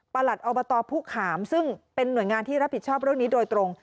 หลัดอบตผู้ขามซึ่งเป็นหน่วยงานที่รับผิดชอบเรื่องนี้โดยตรง